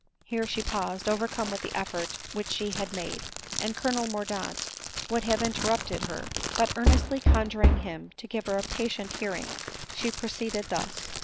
Here she paused, overcome with the effort which she had made ; and Colonel Mordaunt would have interrupt ed her, but, earnestly conjuring him to give her a patient hearing, she proceeded thus ;— ADELINE MOWBRAY.